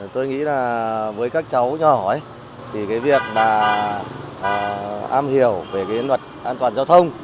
tôi nghĩ là với các cháu nhỏ ấy thì cái việc mà am hiểu về cái luật an toàn giao thông